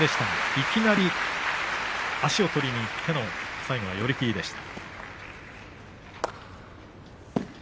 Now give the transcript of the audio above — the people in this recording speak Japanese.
いきなり足を取りにいっての最後は寄り切りでした。